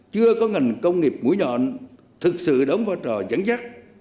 chưa có ngành công nghiệp mũi nhọn thực sự đóng phá trò chẳng chắc